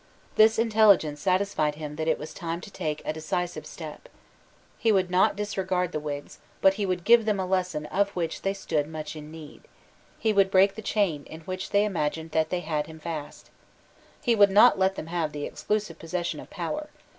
This intelligence satisfied him that it was time to take a decisive step. He would not discard the Whigs but he would give them a lesson of which they stood much in need. He would break the chain in which they imagined that they had him fast. He would not let them have the exclusive possession of power.